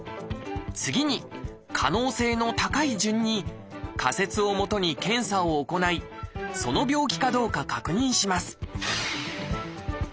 次に可能性の高い順に仮説をもとに検査を行いその病気かどうか確認します